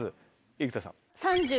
生田さん。